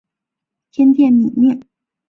天钿女命。